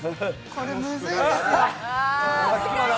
これ、むずいんですよ。